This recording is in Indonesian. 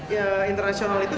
ya internasional itu